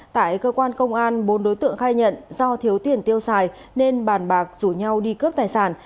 tại cơ quan công an bốn đối tượng khai nhận do thiếu tiền tiêu xài nên bàn bạc rủ nhau đi cướp tài sản